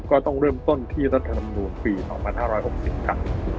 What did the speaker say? ก็ต้องเริ่มต้นที่รัฐธรรมนูญปีต่อมา๕๖๐ค่ะ